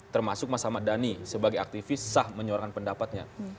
termasuk mas ahmad dhani sebagai aktivis sah menyuarakan pendapatnya